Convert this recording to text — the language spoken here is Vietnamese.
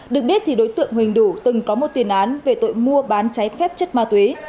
được biết thì đối tượng huỳnh đủ từng có một tiền án về tội mua bán trái phép chất ma túy